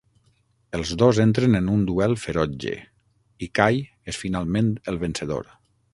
Els dos entren en un duel ferotge, i Kay és finalment el vencedor.